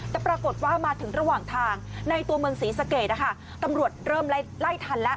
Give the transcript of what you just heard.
แต่ปรากฏว่ามาถึงระหว่างทางในตัวเมืองศรีสะเกดนะคะตำรวจเริ่มไล่ทันแล้ว